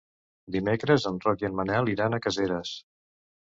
Dimecres en Roc i en Manel iran a Caseres.